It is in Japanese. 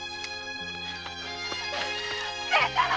清太郎！